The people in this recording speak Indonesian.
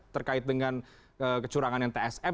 terkait dengan kecurangan yang tsm